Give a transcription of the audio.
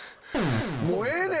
もうええねん！